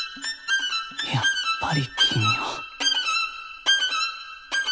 やっぱり君は。